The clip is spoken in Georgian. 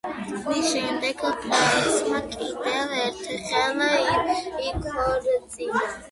მის შემდეგ ფრანცმა კიდევ ერთხელ იქორწინა.